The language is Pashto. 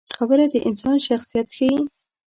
خبره د انسان شخصیت ښيي.